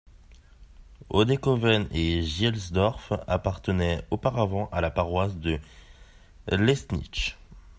Oedekoven et Gielsdorf appartenaient auparavant à la paroisse de Lessenich.